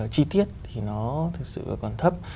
chi tiết thì nó thực sự còn thấp